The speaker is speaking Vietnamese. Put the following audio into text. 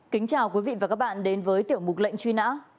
kính chào quý vị và các bạn đến với tiểu mục lệnh truy nã